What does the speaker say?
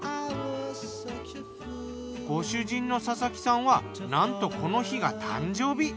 ご主人の佐々木さんはなんとこの日が誕生日。